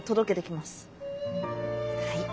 はい。